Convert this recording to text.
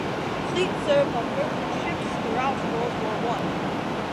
Fleet served on merchant ships throughout World War One.